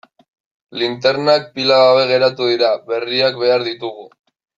Linternak pila gabe geratu dira, berriak behar ditugu.